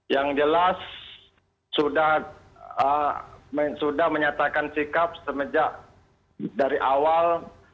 yang jelas sudah menyatakan sikap semenjak dari awal